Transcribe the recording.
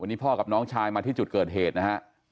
วันนี้พ่อกับน้องชายมาที่จุดเกิดเหตุนะฮะ